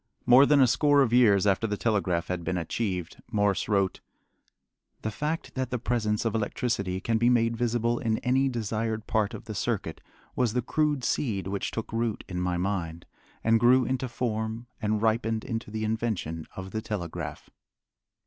More than a score of years after the telegraph had been achieved Morse wrote: The fact that the presence of electricity can be made visible in any desired part of the circuit was the crude seed which took root in my mind, and grew into form, and ripened into the invention of the telegraph.